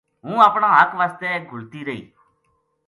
ہوں اپنا حق واسطے گھُلتی رہی